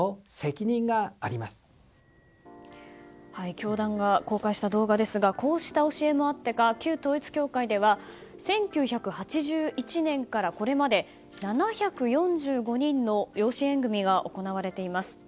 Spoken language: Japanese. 教団が公開した動画ですがこうした教えもあってか旧統一教会では１９８１年からこれまで７４５人の養子縁組が行われています。